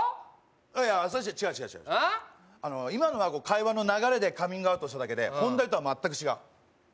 いや、違う、違う今のは会話の流れでカミングアウトしただけで本題とは全く違う。